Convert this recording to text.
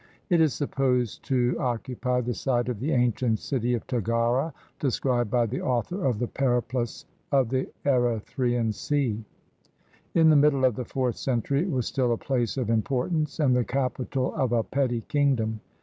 It is supposed to occupy the site of the ancient city of Tagara described by the author of the Periplus of the Erythrean Sea. In the middle of the fourth century it was still a place of importance and the capital of a petty kingdom.